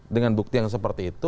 dengan bukti yang seperti itu